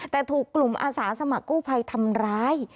แต่ถูกกลุ่มอาสาสมัครกู้ภัยทำร้าย